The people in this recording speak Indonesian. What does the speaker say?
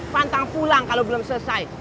pantang pulang kalau belum selesai